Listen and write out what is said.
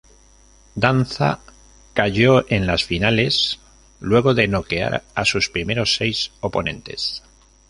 Danza cayó en las finales luego de noquear a sus primeros seis oponentes.